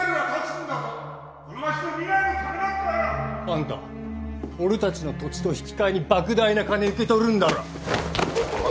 あんた俺たちの土地と引き換えに莫大な金受け取るんだろ